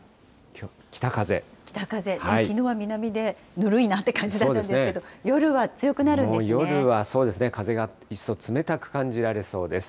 きのうは南でぬるいなっていう感じだったんですけれども、夜もう夜は、そうですね、風が一層冷たく感じられそうです。